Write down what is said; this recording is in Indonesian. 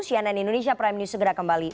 cnn indonesia prime news segera kembali